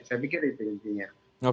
saya pikir itu intinya